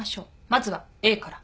まずはＡから。